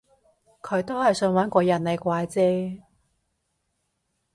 佢都係想搵個人嚟怪啫